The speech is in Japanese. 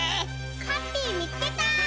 ハッピーみつけた！